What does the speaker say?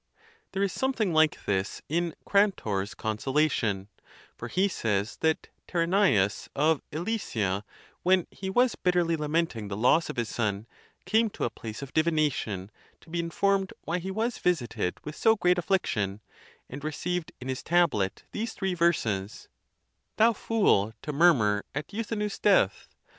There is something like this in Crantor's Consolation; for he says that Terinzeus of Elysia, when he was bitterly la menting the loss of his son, came to a place of divination 'to be informed why he was visited with so great affliction, and received in his tablet these three verses: Thou fool, to murmur at Euthynous' death!